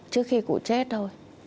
trước khi cụ chết thôi